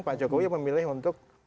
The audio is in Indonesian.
pak jokowi memilih untuk